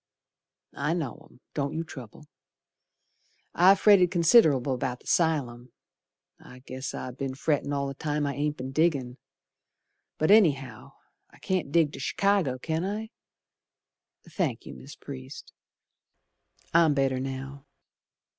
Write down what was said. I know 'em, don't you trouble. I've fretted considerable about the 'sylum, I guess I be'n frettin' all the time I ain't be'n diggin'. But anyhow I can't dig to Chicago, can I? Thank you, Mis' Priest, I'm better now.